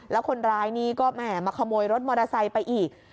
แล้วคนร้ายนี่ก็แหมมาขโมยรถมอเตอร์ไซค์ไปอีก